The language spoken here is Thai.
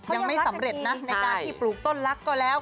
ยังไม่สำเร็จนะในการที่ปลูกต้นลักษณ์ก็แล้ว